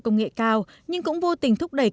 công nghệ cao nhưng cũng vô tình thúc đẩy